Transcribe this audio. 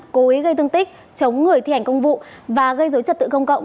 cố ý gây thương tích chống người thi hành công vụ và gây dối trật tự công cộng